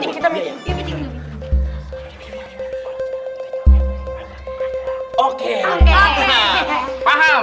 ya kita motosik dulu dong